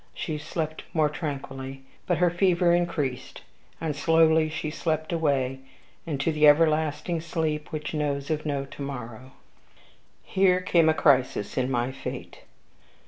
She slept more tranquilly but her fever increased; and slowly she slept away into the everlasting sleep which knows of no to morrow. "Here came a crisis in my fate.